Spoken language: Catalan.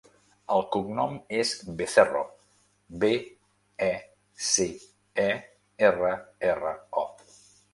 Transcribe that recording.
El cognom és Becerro: be, e, ce, e, erra, erra, o.